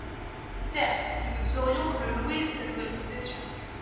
Certes, nous ne saurions que le louer de sa nouvelle profession.